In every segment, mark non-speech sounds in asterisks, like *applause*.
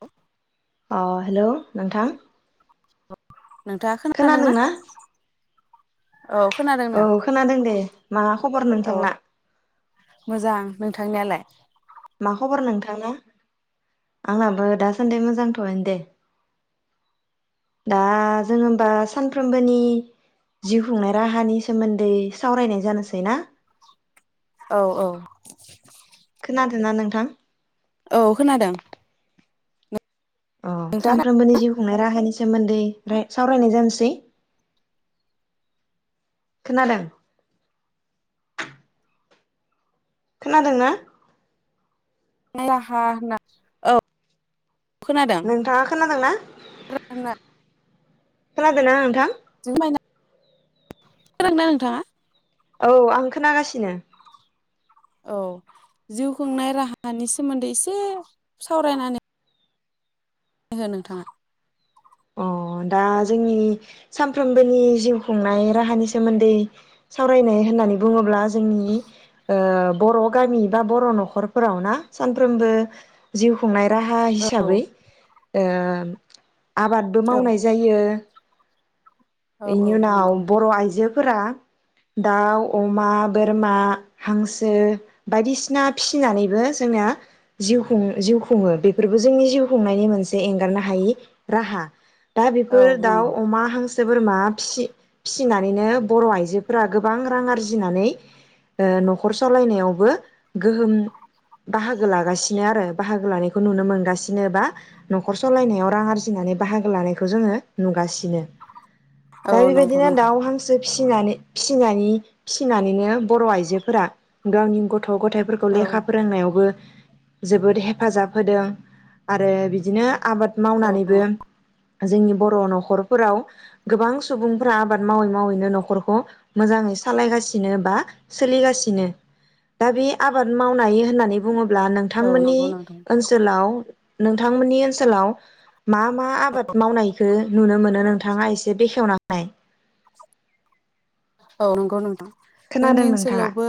औ अ हेल' नोंथां। नोंथाङा खोनादोंना? औ खोनादों औ नोंथां खोनादों दे मा खबर औ नोंथांना? *unintelligible* मा खबर नोंथाङा आंनाबो दासान्दि मोजांथ'नो दे दा जों होमबा सानफ्रोमबोनि जिउ खुंनाय राहानि सोमोन्दै सावरायनाय जानोसै ना? औ औ *unintelligible* नोंथां औ खोनादों। अ नोंथाङा साफ्रोमनिबो जिउ *unintelligible* राहानि सोमोन्दै सावरायनाय जानोसै। खोनादों खोनादोंना? राहा होना औ खोनादों नोंथाङा खोनादोंना? खोनादोंना नोंथां? खोनादोंना नोंथाङा? औ आं खोनागासिनो। औ जिउ खुंनाय राहानि सोमोन्दै इसे सावरायनानै *unintelligible* नोंथाङा। अ दा जोंनि सानफ्रोमबोनि जिउ खुंनाय राहानि सोमोन्दै सावरायनाय होननानै बुङोब्ला जोंनि ओ बर' गामि बा बर' न'खरफोराव ना सानफ्रबो जिउ खुंनाय राहा औ हिसाबै। ओम। आबादबो औ मावनाय जायो। औ औ बेनि उनाव नंगौ बर' आइजो *unintelligible* दाउ, अमा, बोरमा, हांसो बायदिसिना फिसिनानैबो जोंना जिउ खुं जिउ खुङो बेफोरबो जोंनि जिउ खुंनायनि मोनसे एंगारनो हायि राहा। दा औ बेफोर दाउ, नंगौ अमा, हांसो *unintelligible* बोरमा फिसि -फिसिनानैनो बर' आइजोफोरा गोबां रां आरजिनानै ओ न'खर सलायनायावबो गोहोम बाहागो लागासिनो आरो बाहागो लानायखौ नुनो मोनगासिनो बा न'खर सलायनायाव रां आरजिनानै बाहागो लानायखौ जोङो नुगासिनो। औ दा नंगौ बेबायदिनो नोंथां दाउ, हांसो फिनानै -फिसिनानै -फिसिनानैनो बर' आइजोफोरा गावनि *unintelligible* गथ'- गथाइफोरखौ औ लेखा फोरोंनायावबो जोबोद हेफाजाब होदों आरो बिदिनो आबाद औ मावनानैबो। जोंनि बर' न'खरफोराव गोबां सुबुंफ्रा आबाद मावै मावैनो न'खरखौ मोजाङै सालायगासिनो बा सोलिगासिनो दा बे आबाद मावनाय होननानै बुङो *unintelligible* औ नोंथांमोननि नंगौ नोंथां ओनसोलाव नोंथांमोननि ओनसोलाव मा मा आबाद मावनायखो नुनो मोनो नोंथाङा एसे बेखेवना नाय। औ नोंगौ नोंथां। जोंनि नोंथाङा ओनसोलावबो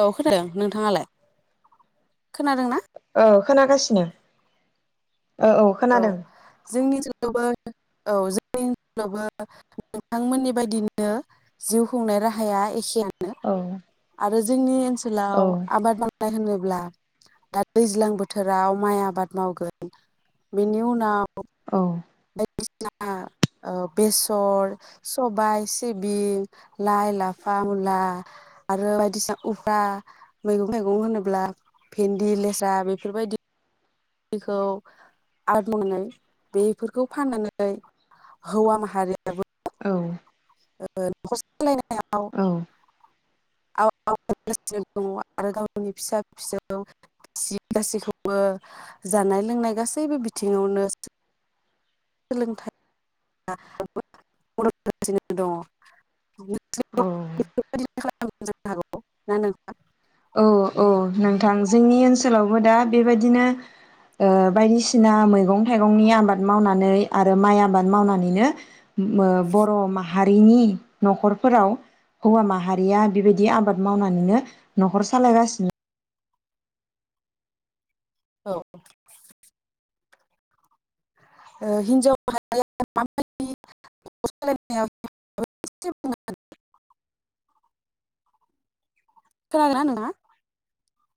औ खोनादों नोंथाङालाय खोनादोंना? ओ खोनागासिनो। औ औ खोनादों जोंनि ओनसो लावबो औ जोंनि ओनसोलावबो नोंथांमोननि बायदिनो जिउ खुंनाय राहाया एखेया नो औ आरो जोंनि औ ओनसोलाव आबाद मावनाय होनो ब्ला‌ दा दैज्लां बोथोराव माइ आबाद मावगोन। बिनि उनाव औ *unintelligible* बायदिसिना ओ बेसर, सबाय, सिबिं, लाइ, लाफा, मुला आरो बायदिसिना उफ्रा मैगं थाइगं होनोब्ला भेन्दि, लेस्रा बेफोरबायदि खौ आबाद मावनानै बेफोरखौ फाननानै हौवा माहारियाबो औ ओ खस औ *unintelligible* आरो गावनि फिसा फिसौ, बिसि गासैखौबो जानाय लोंनाय गासैबो बिथिङावनो सोलोंथाइ *unintelligible* दङ औ *unintelligible* *unintelligible* औ औ नोंथां जोंनि ओनसोलावबो दा बेबायदिनो ओ बायदिसिना मैगं थाइगंनि आबाद मावनानै आरो माइ आबाद मावनानैनो मो बर' माहारिनि न'खरफोराव हौवा माहारिया बेबायदि आबाद मावनानैनो न'खर सालायगासिनो। औ ओ हिनजाव माहारिया माबायदि न'खर सालायनायाव *unintelligible* खोनादोंना नोंङा?